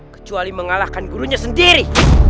kecuali mengalahkan gurunya sendiri